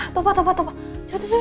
tuh apa tuh apa tuh apa cepet cepet cepet